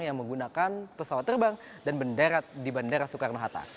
yang menggunakan pesawat terbang dan benderat di bandara soekarno hatta